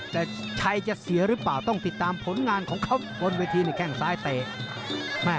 แต่ชัยจะเสียหรือเปล่าต้องติดตามผลงานของเขาบนเวทีในแข้งซ้ายเตะ